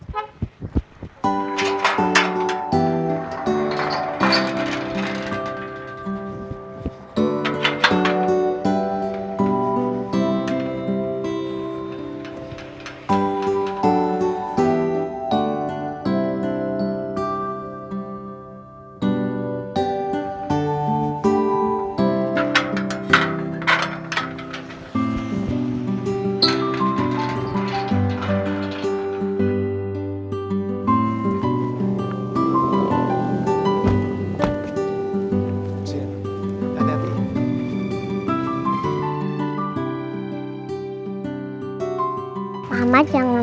reina kerair kali ya mer